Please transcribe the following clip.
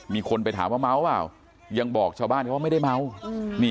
มีคนไปถามว่ามั๊วแบบยังบอกชาวบ้านเขาไม่ได้ไม้